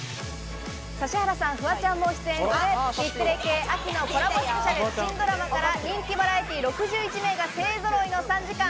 指原さん、フワちゃんも出演する『日テレ系秋のコラボスペシャル』、新ドラマから人気バラエティー６１名が勢揃いの３時間。